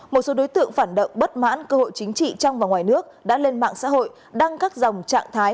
một số đối tượng phản động bất mãn cơ hội chính trị trong và ngoài nước đã lên mạng xã hội đăng các dòng trạng thái